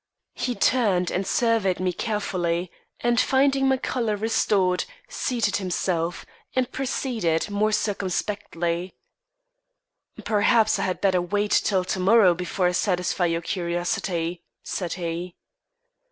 He turned and surveyed me carefully, and finding my colour restored, reseated himself, and proceeded, more circumspectly: "Perhaps I had better wait till to morrow before I satisfy your curiosity," said he.